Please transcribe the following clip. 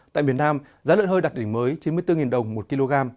tại miền nam giá lợn hơi đặt đỉnh mới chín mươi bốn đồng một kg